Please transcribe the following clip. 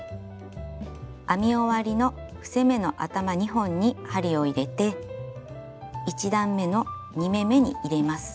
編み終わりの伏せ目の頭２本に針を入れて１段めの２目めに入れます。